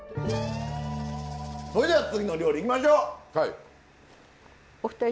それでは次の料理いきましょう！